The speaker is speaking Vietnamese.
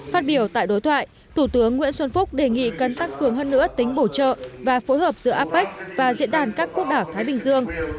phát biểu tại đối thoại thủ tướng nguyễn xuân phúc đề nghị cân tăng hướng hơn nữa tính bổ trợ